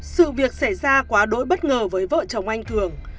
sự việc xảy ra quá đỗi bất ngờ với vợ chồng anh cường